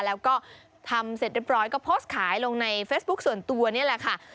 แล้วก็ทำเสร็จเรียบร้อยก็โพสต์ขายลงในเฟซบุ๊คส่วนตัวนี่แหละค่ะ